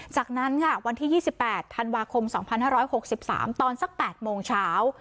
จากนั้นค่ะวันที่๒๘ธันวาคม๒๕๖๓ตอนสัก๘โมงเช้า